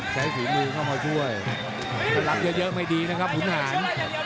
ฝีมือเข้ามาช่วยถ้ารับเยอะไม่ดีนะครับขุนหาร